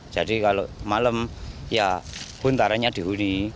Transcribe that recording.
jadi kalau malam ya buntarannya dihuni